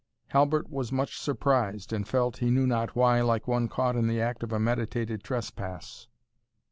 Halbert was much surprised, and felt, he knew not why, like one caught in the act of a meditated trespass.